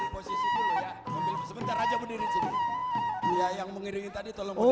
posisi dulu ya mobil sebentar aja berdiri sini dia yang mengiringi tadi tolong